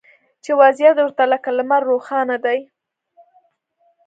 چې وضعیت ورته لکه لمر روښانه دی